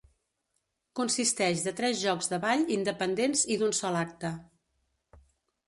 Consisteix de tres jocs de ball independents i d'un sol acte.